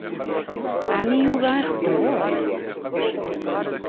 Ɛni Yuba ixeddem ɣur-k?